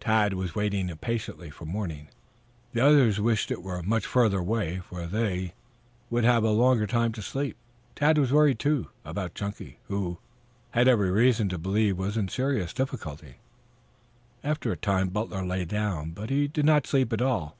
Tad was waiting impatiently for morning. The others wished it were much further away, for then they would have a longer time to sleep. Tad was worried, too, about Chunky, who, he had every reason to believe, was in serious difficulties. After a time Butler lay down, but he did not sleep at all.